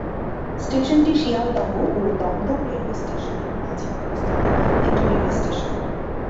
স্টেশনটি শিয়ালদহ ও দমদম রেলওয়ে স্টেশন-এর মাঝে অবস্থিত একটি রেল স্টেশন।